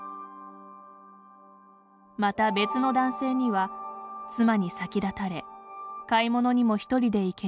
また別の男性には、妻に先立たれ買い物にも１人で行けず